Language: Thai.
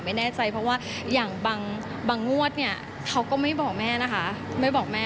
ไม่แน่ใจเพราะว่าอย่างบางงวดเขาก็ไม่บอกแม่นะคะ